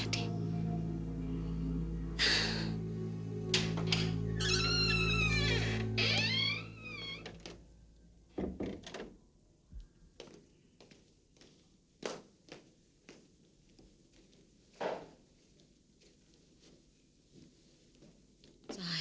ketika jomblan pas dan sudah berubah